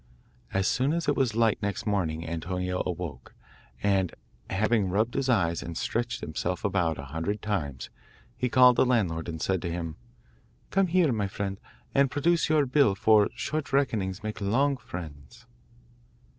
As soon as it was light next morning Antonio awoke, and having rubbed his eyes and stretched himself about a hundred times he called the landlord and said to him: 'Come here, my friend, and produce your bill, for short reckonings make long friends.